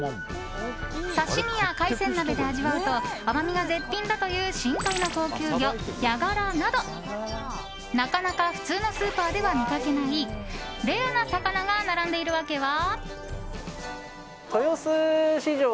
刺し身や海鮮鍋で味わうと甘みが絶品だという深海の高級魚ヤガラなどなかなか普通のスーパーでは見かけないレアな魚が並んでいる訳は。